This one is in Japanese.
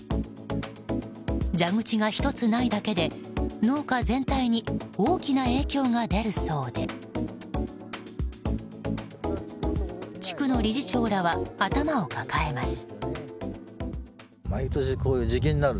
蛇口が１つないだけで農家全体に大きな影響が出るそうで地区の理事長らは頭を抱えます。